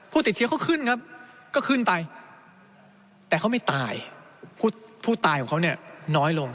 ติดเชื้อเขาขึ้นครับก็ขึ้นไปแต่เขาไม่ตายผู้ตายของเขาเนี่ยน้อยลง